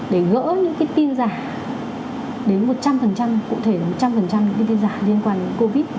để gỡ những tin giả đến một trăm linh cụ thể một trăm linh những tin giả liên quan đến covid một mươi chín